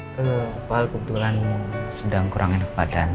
pak al kebetulan sedang kurangin kebadan